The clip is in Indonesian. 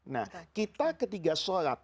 nah kita ketika sholat